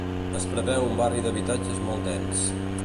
Es preveu un barri d'habitatges molt dens.